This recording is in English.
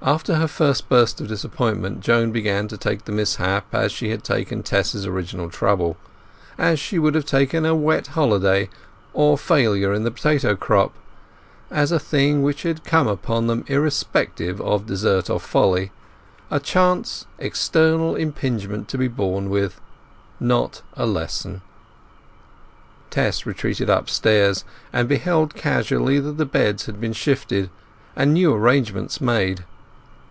After her first burst of disappointment Joan began to take the mishap as she had taken Tess's original trouble, as she would have taken a wet holiday or failure in the potato crop; as a thing which had come upon them irrespective of desert or folly; a chance external impingement to be borne with; not a lesson. Tess retreated upstairs and beheld casually that the beds had been shifted, and new arrangements made.